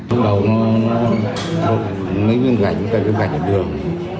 lúc đầu nó lấy viên gạch nó lấy viên gạch ở đường